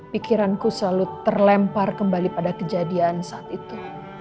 pikiranku selalu terlempar kembali pada kejadian saat itu